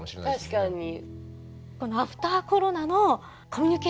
確かに。